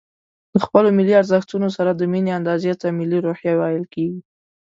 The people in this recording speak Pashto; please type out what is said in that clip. د خپلو ملي ارزښتونو سره د ميني اندازې ته ملي روحيه ويل کېږي.